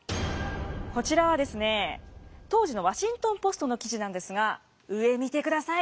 こちらはですね当時のワシントン・ポストの記事なんですが上見てください。